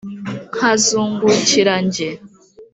nkazungukira jye.